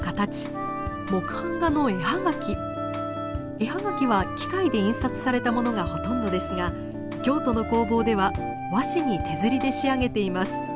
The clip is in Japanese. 絵はがきは機械で印刷された物がほとんどですが京都の工房では和紙に手摺りで仕上げています。